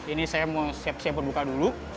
ini saya mau siap siap berbuka dulu